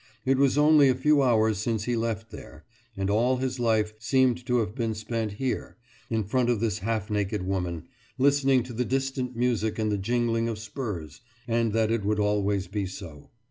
It was only a few hours since he left there and all his life seemed to have been spent here, in front of this half naked woman, listening to the distant music and the jingling of spurs; and that it would always be so.